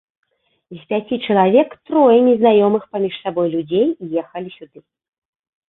З пяці чалавек трое незнаёмых паміж сабой людзей ехалі сюды.